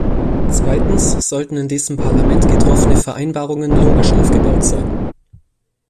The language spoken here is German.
Zweitens sollten in diesem Parlament getroffene Vereinbarungen logisch aufgebaut sein.